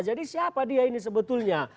jadi siapa dia ini sebetulnya